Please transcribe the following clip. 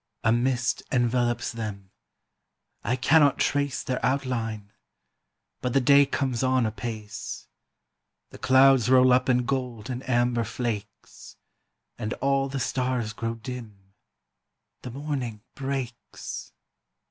"A mist envelops them; I cannot trace Their outline; but the day comes on apace: The clouds roll up in gold and amber flakes, And all the stars grow dim; the morning breaks."